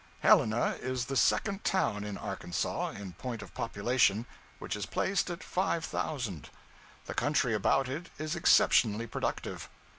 Helena is the second town in Arkansas, in point of population which is placed at five thousand. The country about it is exceptionally productive.